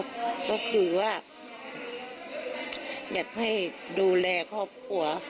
อัลที่นั่นก็คือว่าอย่าให้ดูแลครอบครัว